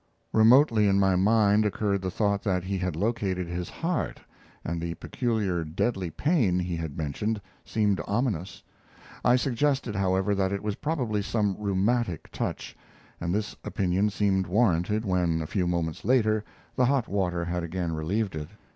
Remotely in my mind occurred the thought that he had located his heart, and the "peculiar deadly pain" he had mentioned seemed ominous. I suggested, however, that it was probably some rheumatic touch, and this opinion seemed warranted when, a few moments later, the hot water had again relieved it.